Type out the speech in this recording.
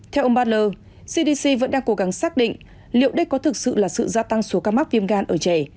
theo ông barler cdc vẫn đang cố gắng xác định liệu đây có thực sự là sự gia tăng số ca mắc viêm gan ở trẻ